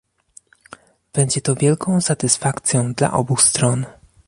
Będzie to wielką satysfakcją dla obu stron